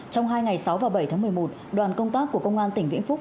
trong hai ngày sáu và bảy tháng một mươi một đoàn công tác của công an tỉnh vĩnh phúc